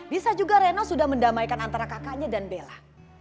bisa juga reno sudah mendamaikan antara kakaknya dan bella